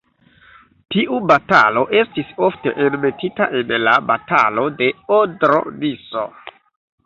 Tiu batalo estis ofte enmetita en la Batalo de Odro-Niso.